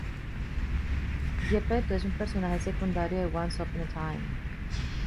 Geppetto es un personaje secundario en "Once Upon a Time".